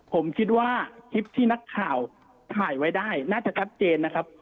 ผมคิดว่าคลิปที่นักข่าวถ่ายไว้ได้น่าจะชัดเจนนะครับ